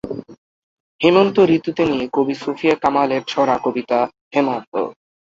হেমন্ত ঋতুতে নিয়ে কবি সুফিয়া কামালের ছড়া-কবিতা "হেমন্ত"।